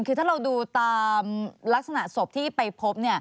คือถ้าเราดูตามลักษณะศพที่ไปพบ